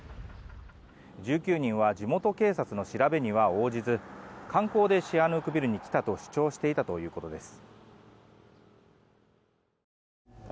１９人は地元警察の調べには応じず観光でシアヌークビルに来たと主張していたということです。